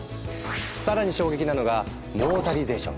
更に衝撃なのがモータリゼーション。